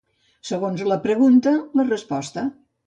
Segons la pregunta, la resposta.